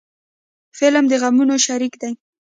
فلم د غمونو شریک دی